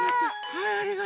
はい。